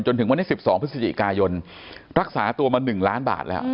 จนถึงวันที่๑๒พฤศจิกายนรักษาตัวมา๑ล้านบาทแล้ว